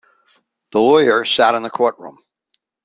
The lawyer sat in the courtroom.